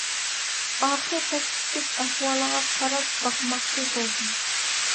ئاخىرى پەسكە چۈشۈپ ئەھۋالغا قاراپ باقماقچى بولدۇم.